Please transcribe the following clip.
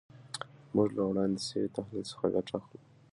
موږ له وړاندې شوي تحلیل څخه ګټه اخلو.